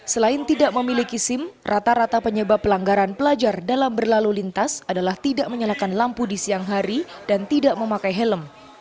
selain tidak memiliki sim rata rata penyebab pelanggaran pelajar dalam berlalu lintas adalah tidak menyalakan lampu di siang hari dan tidak memakai helm